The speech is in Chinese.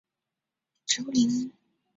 野外的巢穴位于开放的匍匐植物林地中。